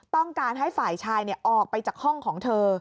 ต้องการให้ฝ่ายชายออกไปจากห้องของเธอ